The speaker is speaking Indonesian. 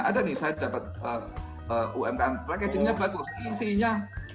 ada nih saya dapat umkm packagingnya bagus isinya